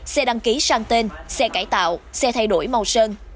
xe đăng ký sang tên xe cải tạo xe thay đổi màu sơn